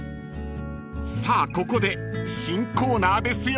［さあここで新コーナーですよ］